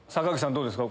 どうですか？